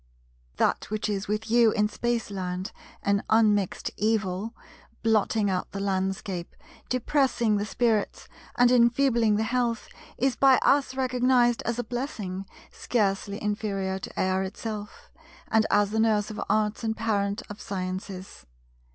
That which is with you in Spaceland an unmixed evil, blotting out the landscape, depressing the spirits, and enfeebling the health, is by us recognized as a blessing scarcely inferior to air itself, and as the Nurse of arts and Parent of sciences.